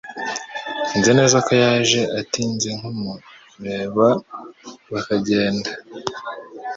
Nzi neza ko yaje atinzekumureba bakagenda.